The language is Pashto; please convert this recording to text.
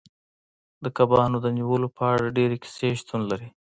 د کبانو د نیولو په اړه ډیرې کیسې شتون لري